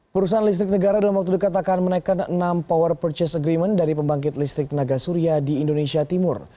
perusahaan listrik negara dalam waktu dekat akan menaikkan enam power purchase agreement dari pembangkit listrik tenaga surya di indonesia timur